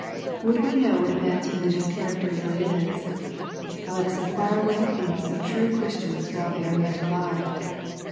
Would we know what a man's religious character really is ? Let us inquire what he thinks of true Chris* tians w^hile they are yet alive.